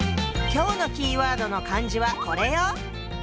今日のキーワードの漢字はこれよ！